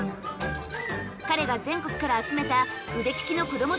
彼が全国から集めた腕利きのこども